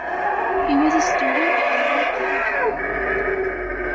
He was a student of Henri-Paul Pellaprat.